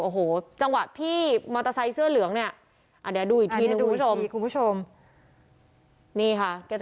โอ้โหจังหวะพี่มอตเตอร์ไซค์เสื้อเหลืองเนี่ย